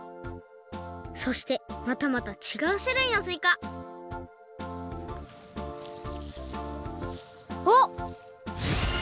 そしてまたまたちがうしゅるいのすいかあっ！